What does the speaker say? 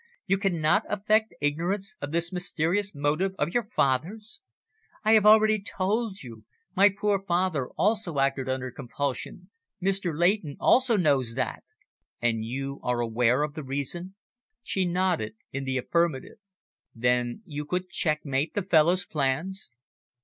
You cannot affect ignorance of this mysterious motive of your father's?" "I have already told you. My poor father also acted under compulsion. Mr. Leighton also knows that." "And you are aware of the reason?" She nodded in the affirmative. "Then you could checkmate the fellow's plans?"